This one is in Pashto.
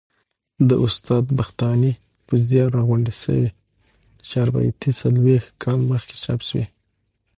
د استاد بختاني په زیار راغونډي سوې چاربیتې څلوبښت کال مخکي چاپ سوې.